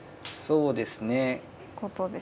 そうですね。